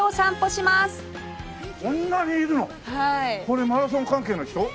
これマラソン関係の人？